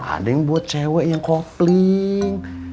ada yang buat cewek yang kopling